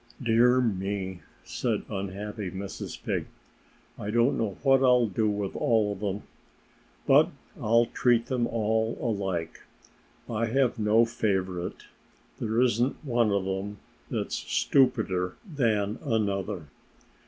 "Dear me!" said unhappy Mrs. Pig. "I don't know what I'll do with all of them. But I'll treat them all alike. I have no favorite. There isn't one of them that's stupider than another."